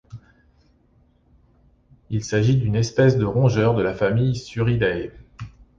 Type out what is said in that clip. Il s'agit d'une espèce de rongeurs de la famille Sciuridae.